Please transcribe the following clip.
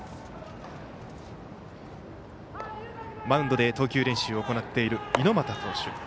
マウンドで投球練習を行っている猪俣投手。